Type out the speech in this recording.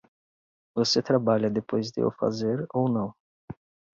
Você trabalha depois de eu fazer ou não?